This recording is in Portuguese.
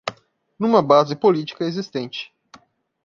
Numa base política existente